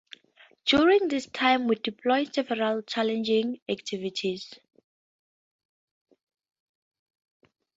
During this time we deployed several challenging activities.